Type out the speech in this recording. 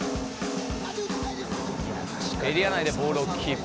エリア内でボールをキープ。